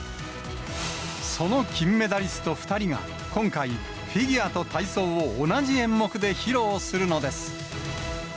その金メダリスト２人が、今回、フィギュアと体操を同じ演目で披露するのです。